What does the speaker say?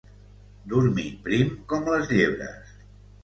Dormir prim com les llebres.